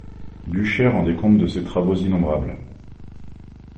Buchez rendait compte de ses travaux innombrables.